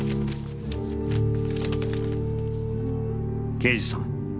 「刑事さん。